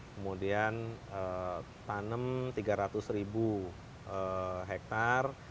kemudian tanam tiga ratus ribu hektare